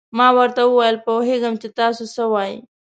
ما ورته وویل: پوهېږم چې تاسو څه وایئ.